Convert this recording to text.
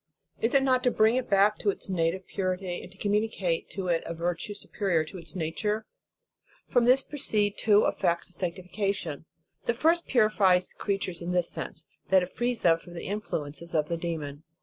Is it not to bring it back to its native purity, and communicate to it a virtue superior to its nature? From this proceed two effects of sanctification. .The first purifies creatures in this sense, that it frees them from the influences of the demon.